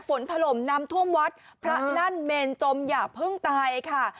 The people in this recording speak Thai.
ถล่มน้ำท่วมวัดพระลั่นเมนจมอย่าเพิ่งตายค่ะ